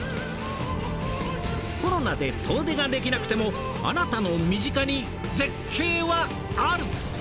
コロナで遠出ができなくてもあなたの身近に絶景はある！